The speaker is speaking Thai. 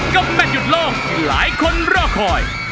กับแมทหยุดโลกที่หลายคนรอคอย